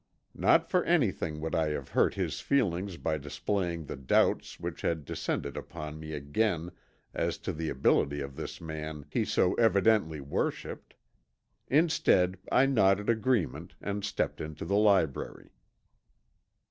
Not for anything would I have hurt his feelings by displaying the doubts which had descended upon me again as to the ability of this man he so evidently worshipped. Instead I nodded agreement and stepped into the library.